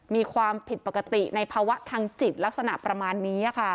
มีความผิดปกติในภาวะทางจิตลักษณะประมาณนี้ค่ะ